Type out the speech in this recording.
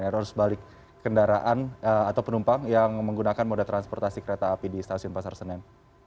arus balik kendaraan atau penumpang yang menggunakan moda transportasi kereta api di stasiun pasar senen